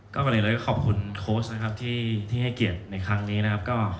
การเรียกเลยก็ขอบคุณโค้จที่ที่ให้เกียรติในครั้งนี้นะครับ